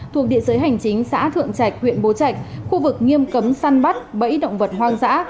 thuộc địa giới hành chính xã thượng trạch huyện bố trạch khu vực nghiêm cấm săn bắt bẫy động vật hoang dã